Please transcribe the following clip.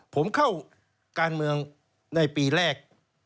ผมเข้าการเมืองในปีแรก๒๕๔๗๔๘